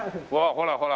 ほらほら。